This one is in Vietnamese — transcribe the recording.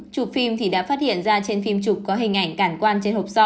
chụp phim thì đã phát hiện ra trên phim chụp có hình ảnh cản quan trên hộp sọ